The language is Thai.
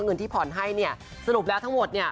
เงินที่ผ่อนให้เนี่ยสรุปแล้วทั้งหมดเนี่ย